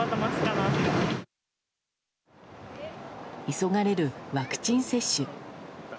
急がれるワクチン接種。